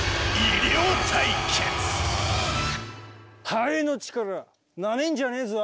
ハエの力なめんじゃねえぞ。